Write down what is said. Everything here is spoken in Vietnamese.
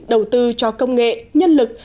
đầu tư cho công nghệ nhân lực